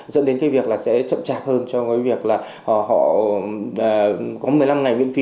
dẫn đến cái việc là sẽ chậm chạp hơn cho cái việc là họ có một mươi năm ngày miễn phí